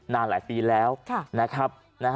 นานหลายปีแล้วนะครับ